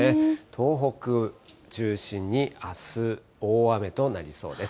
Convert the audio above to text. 東北中心にあす、大雨となりそうです。